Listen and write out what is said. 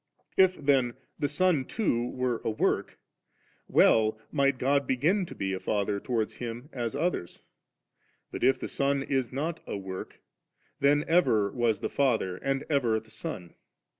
If then the Son too were a work, well might God b^n to be a Father towards Hun as others; but if the Son is not a work, tfien ever was the Father and ever the Son